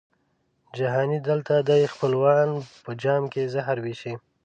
جهاني دلته دي خپلوان په جام کي زهر وېشي